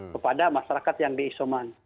kepada masyarakat yang diisoman